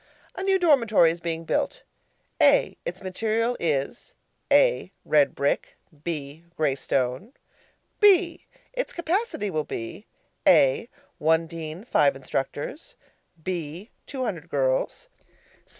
A new dormitory is being built. A. Its material is: (a) red brick. (b) grey stone. B. Its capacity will be: (a) one dean, five instructors. (b) two hundred girls.